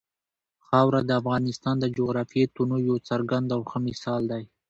خاوره د افغانستان د جغرافیوي تنوع یو څرګند او ښه مثال دی.